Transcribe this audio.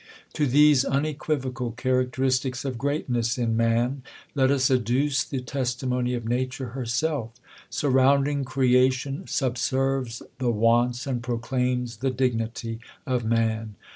To these unequivocal characteristics of greatness m •man, let us adduce the testimony of nature herself* Surrounding creation subserves the wants and proclaims the dignity of man.